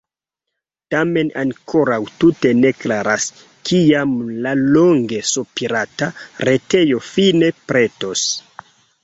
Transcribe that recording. Tamen ankoraŭ tute ne klaras, kiam la longe sopirata retejo fine pretos.